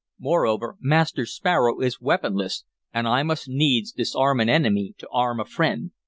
Moreover, Master Sparrow is weaponless, and I must needs disarm an enemy to arm a friend.